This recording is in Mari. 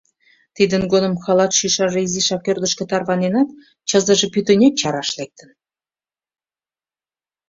Тидын годым халат шӱшаже изишак ӧрдыжкӧ тарваненат, чызыже пӱтынек чараш лектын.